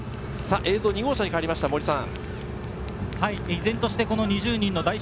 映像、２号車に変わりました、森さん。